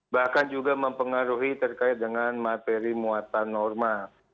bahkan juga mempengaruhi terkait dengan materi muatan norma